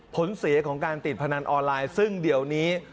ผลเสียของการติดพนันออนไลน์ซึ่งเดี๋ยวนี้